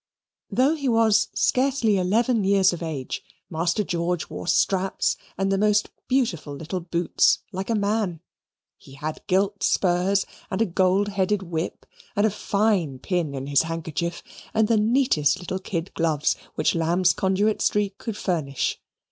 Though he was scarcely eleven years of age, Master George wore straps and the most beautiful little boots like a man. He had gilt spurs, and a gold headed whip, and a fine pin in his handkerchief, and the neatest little kid gloves which Lamb's Conduit Street could furnish.